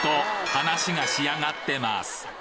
話が仕上がってます